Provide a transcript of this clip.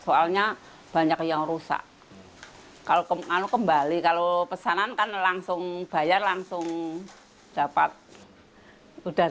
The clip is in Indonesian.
soalnya banyak yang rusak kalau kembali kalau pesanan kan langsung bayar langsung dapat udah